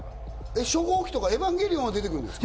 初号機とかエヴァンゲリオンは出てくるんですか？